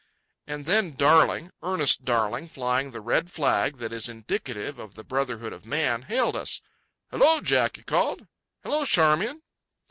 And then Darling, Ernest Darling flying the red flag that is indicative of the brotherhood of man, hailed us. "Hello, Jack!" he called. "Hello, Charmian!"